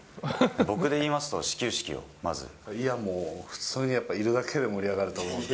僕でいいますと、始球式を、いやまあ、普通にやっぱり、いるだけでも盛り上がると思うんで。